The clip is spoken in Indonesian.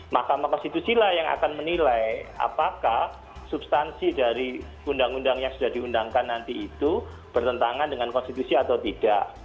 mahkamah konstitusi lah yang akan menilai apakah substansi dari undang undang yang sudah diundangkan nanti itu bertentangan dengan konstitusi atau tidak